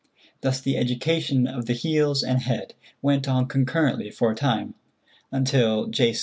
Thus the education of the heels and head went on concurrently for a time, until J.